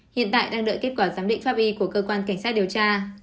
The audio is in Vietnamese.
hiện tại đang đợi kết quả giám định pháp y của cơ quan cảnh sát điều tra